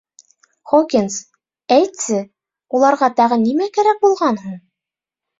Хокинс, әйтсе, уларға тағы нимә кәрәк булған һуң?